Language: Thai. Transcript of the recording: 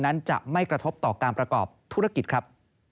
นั้นจะไม่กระทบต่อการประกอบธุรกิจครับ